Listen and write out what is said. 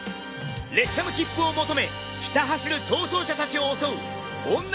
列車の切符を求めひた走る逃走者たちを襲う女